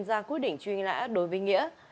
ra quyết định truy nã đối với nghĩa